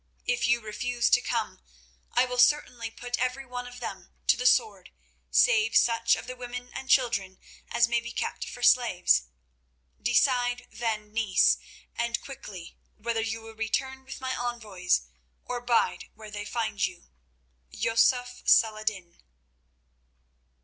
If you refuse to come, I will certainly put every one of them to the sword, save such of the women and children as may be kept for slaves. Decide, then, Niece, and quickly, whether you will return with my envoys, or bide where they find you.— "Yusuf Salah ed din."